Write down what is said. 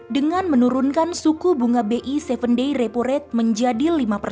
dengan menurunkan suku bunga bi tujuh day reporate menjadi lima